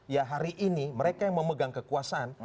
ya hari ini mereka yang memegang kekuasaan